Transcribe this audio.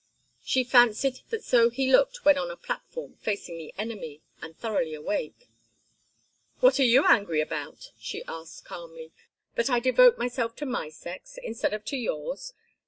She fancied that so he looked when on a platform facing the enemy, and thoroughly awake. "What are you angry about?" she asked, calmly. "That I devote myself to my sex instead of to yours?